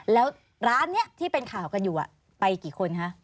แล้วร้านนี้ที่เป็นข่าวกันอยู่ไปกี่คนคะ